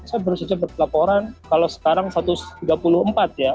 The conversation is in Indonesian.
saya baru saja berlaporan kalau sekarang satu ratus tiga puluh empat ya